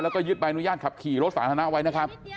แล้วก็ยึดใบอนุญาตขับขี่รถสาธารณะไว้นะครับ